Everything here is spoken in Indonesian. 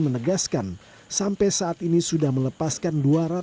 menegaskan sampai saat ini sudah melepaskan